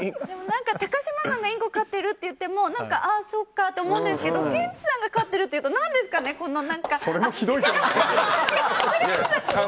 何か、高嶋さんがインコ飼ってるって言ってもあ、そっかって思うんですけどケンチさんが飼っていると何ですかね、こんな。